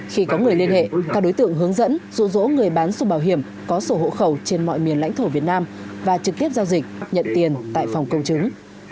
khi có người liên hệ các đối tượng hướng dẫn dụ dỗ người bán sổ bảo hiểm có sổ hộ khẩu trên mọi miền lãnh thổ việt nam và trực tiếp giao dịch nhận tiền tại phòng công chứng